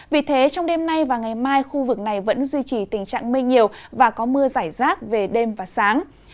vì thế trong đêm nay và ngày mai khu vực này vẫn duy trì tình trạng mây nhiều và có mưa giải rác về đêm và sáng